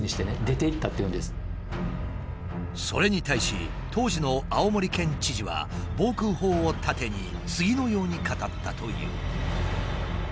それに対し当時の青森県知事は防空法を盾に次のように語ったという。